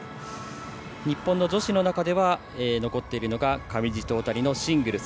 日本の女子の中では残っているのが上地と、大谷のシングルス。